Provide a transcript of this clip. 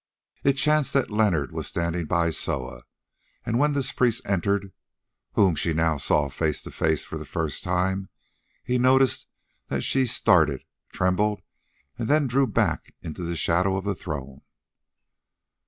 It chanced that Leonard was standing by Soa, and when this priest entered, whom she now saw face to face for the first time, he noticed that she started, trembled, and then drew back into the shadow of the throne.